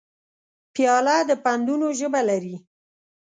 پیاله د پندونو ژبه لري.